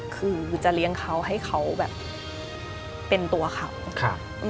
คือจะเลี้ยงเขาให้เขาแบบเป็นตัวเขาครับ